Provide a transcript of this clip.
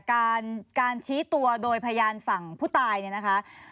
การการชี้ตัวโดยพยานฝั่งผู้ตายเนี่ยนะคะ